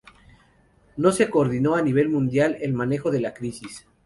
No se coordinó a nivel mundial el manejo de la crisis.